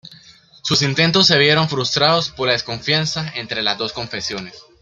Sus intentos se vieron frustrados por la desconfianza entre las dos confesiones.